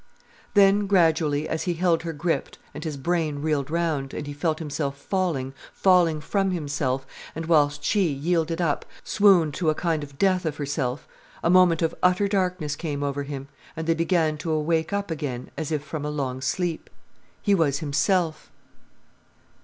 Then, gradually, as he held her gripped, and his brain reeled round, and he felt himself falling, falling from himself, and whilst she, yielded up, swooned to a kind of death of herself, a moment of utter darkness came over him, and they began to wake up again as if from a long sleep. He was himself.